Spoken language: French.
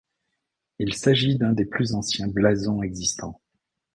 Il s’agit d’un des plus anciens blasons existants.